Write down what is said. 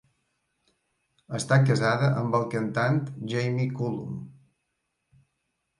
Està casada amb el cantant Jamie Cullum.